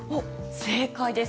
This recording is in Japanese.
正解です！